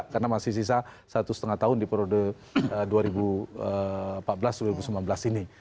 karena masih sisa satu setengah tahun di perode dua ribu empat belas dua ribu sembilan belas ini